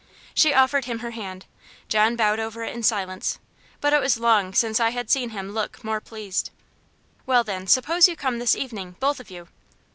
She offered him her hand. John bowed over it in silence, but it was long since I had seen him look more pleased. "Well, then, suppose you come this evening, both of you?"